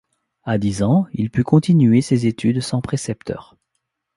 À dix ans, il put continuer ses études sans précepteur.